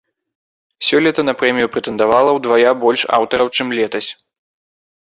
Сёлета на прэмію прэтэндавала ўдвая больш аўтараў, чым летась.